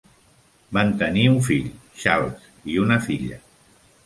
Van tenir un fill, Charles, i una filla.